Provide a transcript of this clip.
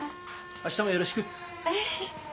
明日もよろしく。